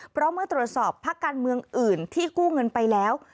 เพราะเมื่อตรวจสอบพักการเมืองอื่นที่กู้เงินไปแล้ว